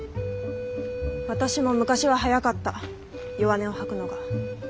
私も昔は早かった弱音を吐くのが。